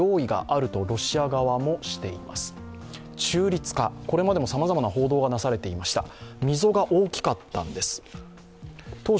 中立化、これまでもさまざまな報道をされていました。